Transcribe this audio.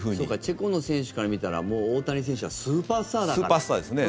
チェコの選手から見たら大谷選手はスーパースターですね。